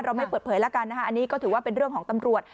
ไม่เปิดเผยแล้วกันนะคะอันนี้ก็ถือว่าเป็นเรื่องของตำรวจ